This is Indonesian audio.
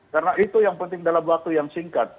karena itu yang penting dalam waktu yang singkat